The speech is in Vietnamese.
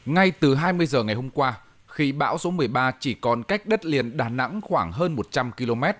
ngay từ hai mươi giờ ngày hôm qua khi bão số một mươi ba chỉ còn cách đất liền đà nẵng khoảng hơn một trăm linh km